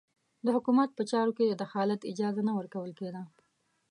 د حکومت په چارو کې د دخالت اجازه نه ورکول کېده.